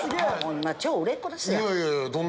今超売れっ子ですやん。